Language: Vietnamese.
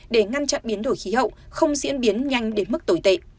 để ngăn chặn biến đổi khí hậu không diễn biến nhanh đến mức tồi tệ